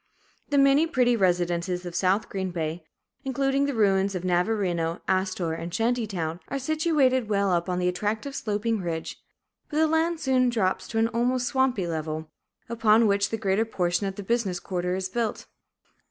The many pretty residences of South Green Bay, including the ruins of Navarino, Astor, and Shanty Town, are situated well up on an attractive sloping ridge; but the land soon drops to an almost swampy level, upon which the greater portion of the business quarter is built.